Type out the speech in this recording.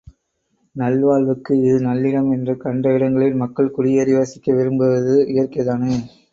நல் வாழ்வுக்கு இது நல்லிடம் என்று கண்ட இடங்களில், மக்கள் குடியேறி வசிக்க விரும்புவது இயற்கை தானே!